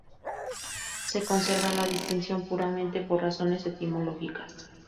Se conserva la distinción puramente por razones etimológicas.